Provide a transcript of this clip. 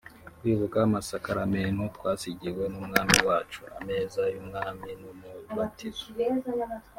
Kwibuka amasakaramentu twasigiwe n'Umwami wacu (Ameza y'Umwami n'Umubatizo)